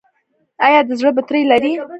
ایا د زړه بطرۍ لرئ؟